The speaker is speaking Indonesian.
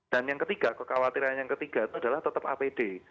dan yang ketiga kekhawatiran yang ketiga itu adalah tetap apd